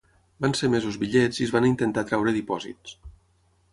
Van ser emesos bitllets i es va intentar atreure dipòsits.